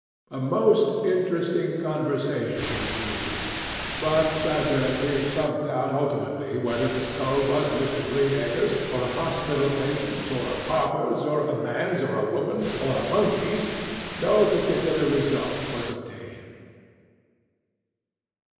A most interesting conversation ensued; but as there appeared some doubt ultimately whether the skull was Mr. Greenacre's, or a hospital patient's, or a pauper's, or a man's, or a woman's, or a monkey's, no particular result was obtained.